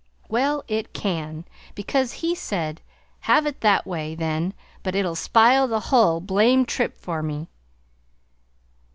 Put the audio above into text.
"Well, it can; because he said: Have it that way, then, but it'll spile the hull blamed trip for me!'"